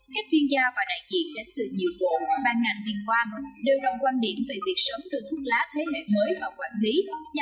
các chuyên gia và đại diện đến từ nhiều bộ ban ngành liên quan đều rõ quan điểm về việc sớm đưa thuốc lá thế hệ mới vào quản lý